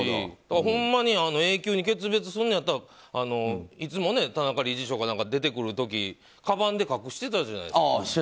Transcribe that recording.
ほんまに永久に決別すんのやったらいつも田中理事長が出てくる時かばんで隠してたじゃないですか。